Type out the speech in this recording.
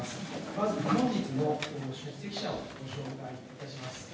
まず本日の出席者をご紹介します。